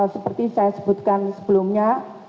seperti saya sebutkan sebelumnya